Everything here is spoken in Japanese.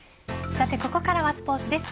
さてここからはスポーツです。